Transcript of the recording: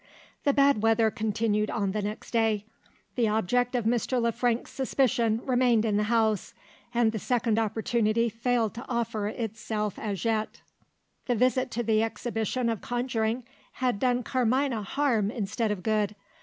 The bad weather continued on the next day. The object of Mr. Le Frank's suspicion remained in the house and the second opportunity failed to offer itself as yet. The visit to the exhibition of conjuring had done Carmina harm instead of good.